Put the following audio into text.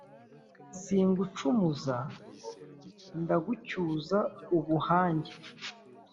Singucumuza ndagucyuza ubuhange,